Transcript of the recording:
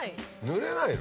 ぬれない？